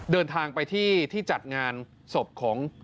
เดินทางไปที่ที่จัดงานศพของ